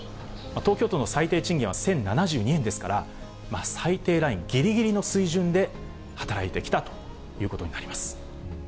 東京都の最低賃金は１０７２円ですから、最低ラインぎりぎりの水準で働いてきたということになります。